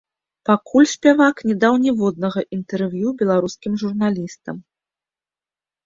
Пакуль спявак не даў ніводнага інтэрв'ю беларускім журналістам.